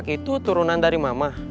itu turunan dari mama